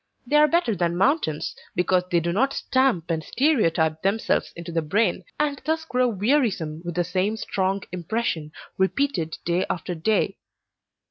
They are better than mountains, because they do not stamp and stereotype themselves into the brain, and thus grow wearisome with the same strong impression, repeated day after day.